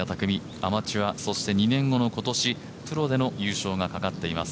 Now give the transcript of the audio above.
アマチュア、そして２年後の今年プロでの優勝がかかっています。